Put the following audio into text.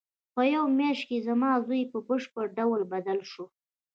په یوه میاشت کې زما زوی په بشپړ ډول بدل شو